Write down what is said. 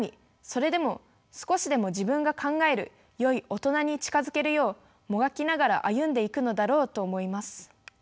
それでも少しでも自分が考える「善い大人」に近づけるようもがきながら歩んでいくのだろうと思います。